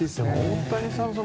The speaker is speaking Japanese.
大谷さん